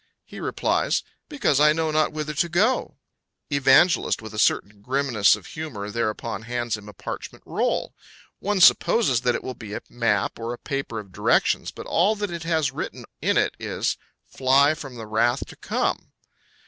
He replies: "Because I know not whither to go." Evangelist, with a certain grimness of humour, thereupon hands him a parchment roll. One supposes that it will be a map or a paper of directions, but all that it has written in it is, "Fly from the wrath to come!"